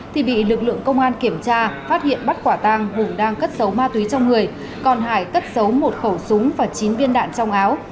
thì bị lực lượng công an kiểm tra phát hiện bắt quả tang hùng đang cất giấu ma túy trong người còn hải cất giấu một khẩu súng và chín viên đạn trong áo